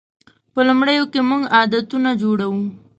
په لومړیو کې موږ عادتونه جوړوو.